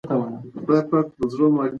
هغې د تلویزیون په ښیښه باندې خپل عکس ولید.